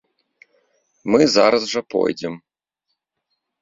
Мы зараз жа пойдзем.